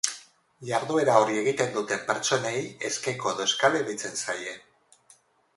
Jarduera hori egiten duten pertsonei eskeko edo eskale deitzen zaie.